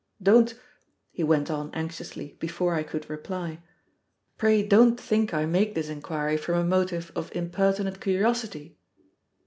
Don't," he went on anxiously, before I could reply "pray don't think I make this inquiry from a motive of impertinent curiosity!"